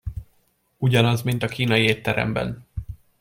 Ugyanaz, mint a kínai étteremben!